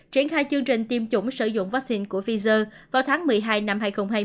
triển khai chương trình tiêm chủng sử dụng vaccine của pfizer vào tháng một mươi hai năm hai nghìn hai mươi